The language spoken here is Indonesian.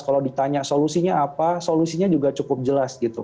kalau ditanya solusinya apa solusinya juga cukup jelas gitu